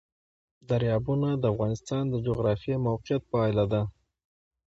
دریابونه د افغانستان د جغرافیایي موقیعت پایله ده.